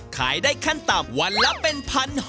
ขายได้ขั้นต่ำวันละเป็น๑๖๐๐